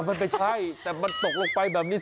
มันไม่ใช่แต่มันตกลงไปแบบนี้